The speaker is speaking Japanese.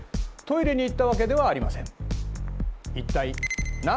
トイレに行ったわけではありません。